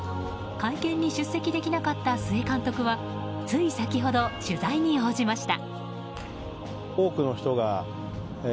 会見に出席できなかった須江監督はつい先ほど、取材に応じました。